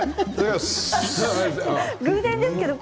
偶然ですけどね。